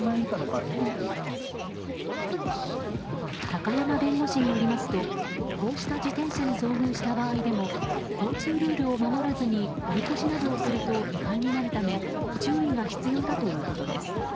高山弁護士によりますとこうした自転車に遭遇した場合でも交通ルールを守らずに追い越しなどをすると違反になるため注意が必要だということです。